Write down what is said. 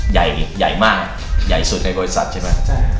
ใหญ่ใหญ่มากใหญ่สุดในบริษัทใช่ไหม